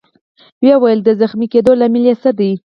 ويې ویل: د زخمي کېدو لامل يې څه دی؟